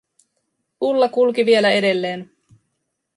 Ulla kulki vielä edelleen.